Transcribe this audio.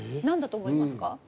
何だと思いますか？